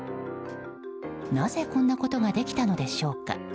なぜ、こんなことができたのでしょうか。